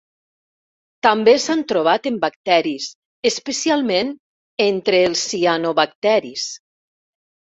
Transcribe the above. També s'han trobat en bacteris, especialment entre els cianobacteris.